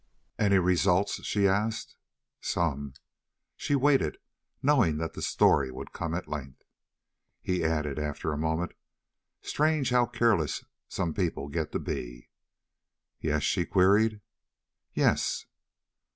"Any results?" she asked. "Some." She waited, knowing that the story would come at length. He added after a moment: "Strange how careless some people get to be." "Yes?" she queried. "Yes."